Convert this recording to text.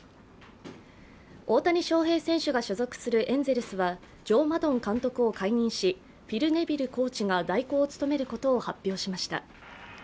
大谷翔平選手が所属するエンゼルスはジョー・マドン監督を解任し、フィル・ネビルコーチが代行を務めることを発表しました。